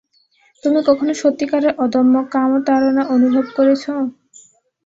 তুমি কখনো সত্যিকারের অদম্য কামতাড়না অনুভব করেছ?